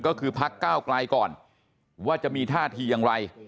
ก็คือพักก้าวไกลก่อนว่าจะมีท่าทีอย่างไร